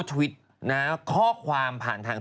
สนับสนุนโดยดีที่สุดคือการให้ไม่สิ้นสุด